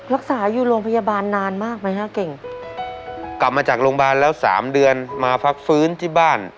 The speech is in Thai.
รักษาอยู่โรงพยาบาลนานมากไหมฮะเก่งกลับมาจากโรงพยาบาลแล้วสามเดือนมาพักฟื้นที่บ้าน